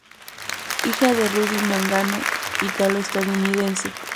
Hija de Rudy Mangano, italo-estadounidense.